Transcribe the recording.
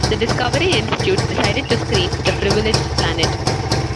The Discovery Institute decided to screen "The Privileged Planet".